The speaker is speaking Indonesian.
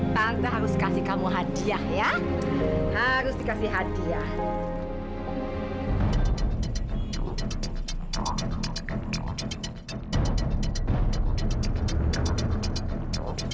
tanpa harus kasih kamu hadiah ya harus dikasih hadiah